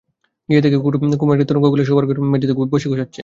গিয়ে দেখে কুমু একটা টিনের তোরঙ্গ খুলে শোবার ঘরের মেজেতে বসে গোছাচ্ছে।